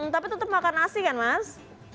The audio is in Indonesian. tapi tetap makan nasi kan mas